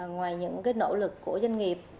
ngoài những cái nỗ lực của doanh nghiệp